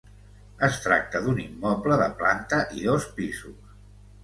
Es tracta d'un immoble de planta i dos pisos.